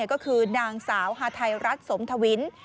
ก็คือนางสาวฮาไทยรัฐสมทวิน